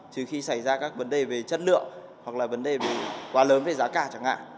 chứ khi xảy ra các vấn đề về chất lượng hoặc là vấn đề quá lớn về giá cả chẳng hạn